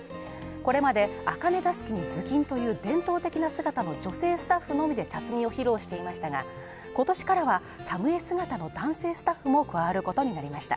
これまであかねだすきに頭巾という伝統的な姿の女性スタッフのみで茶摘みを披露していましたが、今年からは作務衣姿の男性スタッフも加わることになりました。